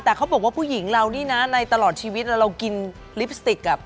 แต่เขาบอกว่าผู้หญิงเรานี่นะในตลอดชีวิตเรากินลิปสติกกับ